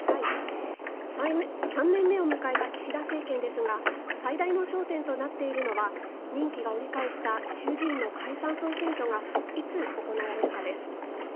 ３年目を迎えた岸田政権ですが最大の焦点となっているのは任期が折り返した衆議院の解散総選挙がいつ行われるかです。